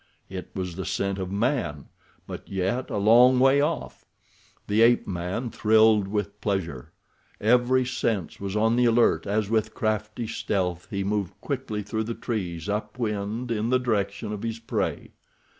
It was the scent of man, but yet a long way off. The ape man thrilled with pleasure. Every sense was on the alert as with crafty stealth he moved quickly through the trees, up wind, in the direction of his prey.